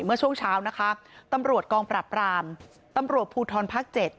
เมื่อช่วงเช้านะคะตำรวจกองปรับรามตำรวจภูทรภาค๗